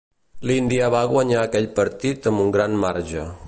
L'Índia va guanyar aquell partit amb un gran marge.